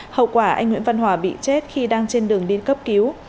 hậu quả anh nguyễn văn hòa bị chết khi đang trên đường đi cấp cứu